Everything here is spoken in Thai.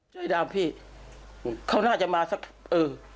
ใจดำพี่เขาน่าจะมาสักเออ